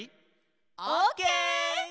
オッケー！